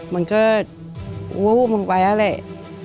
มันก็อู้มึงไปแล้วแหละ